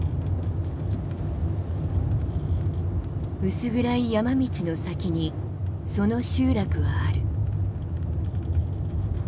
薄暗い山道の先にその集落はある。